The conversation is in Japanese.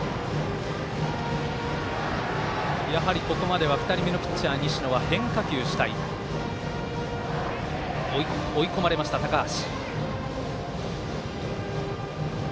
やはりここまでは２人目のピッチャー、西野は変化球主体、追い込まれた高橋。